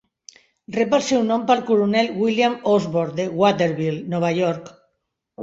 Rep el seu nom pel coronel William Osborn de Waterville, Nova York.